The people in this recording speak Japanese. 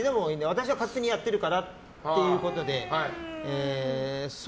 私は勝手にやってるからっていうことで。